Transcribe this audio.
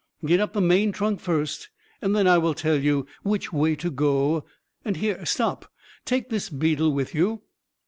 "Get up the main trunk first, and then I will tell you which way to go and here stop! take this beetle with you."